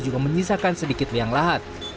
juga menyisakan sedikit liang lahat